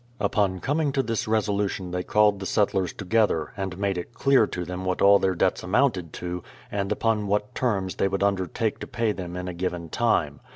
Upon coming to this res olution they called the settlers together, and made it clear to them what all their debts amounted to, and upon what terms they would undertake to pay them in a given time.